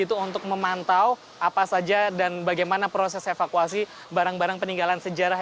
untuk memantau apa saja dan bagaimana proses evakuasi barang barang peninggalan sejarah